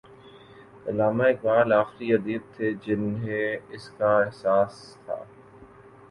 علامہ اقبال آخری ادیب تھے جنہیں اس کا احساس تھا۔